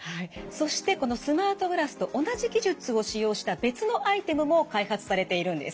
そしてこのスマートグラスと同じ技術を使用した別のアイテムも開発されているんです。